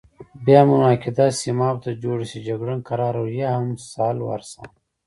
بیا مو نو عقیده سیمابو ته جوړه شي، جګړن کرار وویل: یا هم سالوارسان.